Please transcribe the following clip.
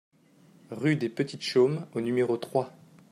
Rue des Petites Chaumes au numéro trois